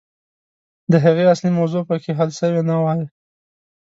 د هغې اصلي موضوع پکښې حل سوې نه وي.